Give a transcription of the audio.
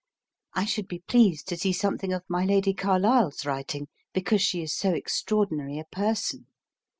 I should be pleased to see something of my Lady Carlisle's writing, because she is so extraordinary a person.